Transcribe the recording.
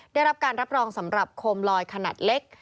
ได้รับการรับรองสำหรับโคมลอยขนาดเล็ก